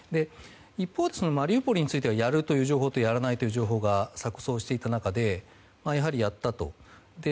一方、マリウポリについてはやるという情報とやらないという情報が錯綜していた中でやはりやったと。